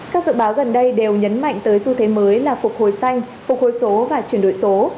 các dự báo gần đây đều nhấn mạnh tới xu thế mới là phục hồi xanh phục hồi số và chuyển đổi số